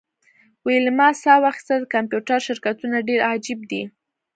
ویلما ساه واخیسته د کمپیوټر شرکتونه ډیر عجیب دي